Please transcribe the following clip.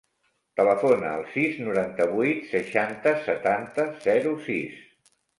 Telefona al sis, noranta-vuit, seixanta, setanta, zero, sis.